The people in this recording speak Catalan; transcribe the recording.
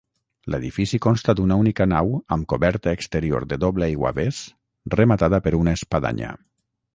L'edifici consta d'una única nau amb coberta exterior de doble aiguavés, rematada per una espadanya.